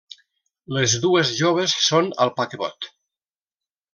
Les dues joves són al paquebot.